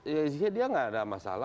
dia tidak ada masalah